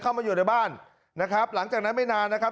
เข้ามาอยู่ในบ้านนะครับหลังจากนั้นไม่นานนะครับ